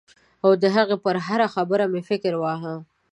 او د هغې پر هره خبره مې فکر واهه.